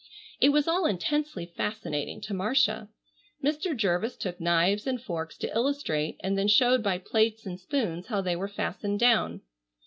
It was all intensely fascinating to Marcia. Mr. Jervis took knives and forks to illustrate and then showed by plates and spoons how they were fastened down.